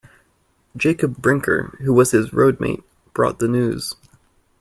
Jacob Brinker, who was his roadmate, brought the news.